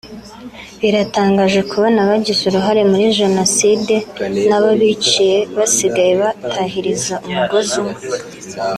biratangaje kubona abagize uruhare muri Jenoside n’abo biciye basigaye batahiriza umugozi umwe